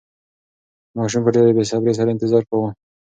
ماشوم په ډېرې بې صبرۍ سره انتظار کاوه.